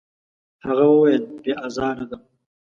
هغه وویل: «بې ازاره ده.»